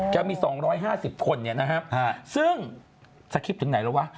ก็มี๒๕๐คนเนี่ยนะครับซึ่งสะคิบถึงไหนแล้ววะ